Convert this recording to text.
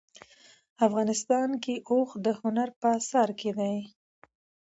افغانستان کې اوښ د هنر په اثار کې دي.